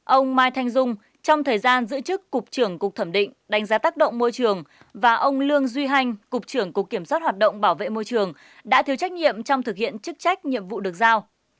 ông mai thanh dung trong thời gian giữ chức cục trưởng cục thẩm định đánh giá tác động môi trường và ông lương duy hanh cục trưởng cục kiểm soát hoạt động bảo vệ môi trường đã thiếu trách nhiệm trong thực hiện chức trách nhiệm vụ được giao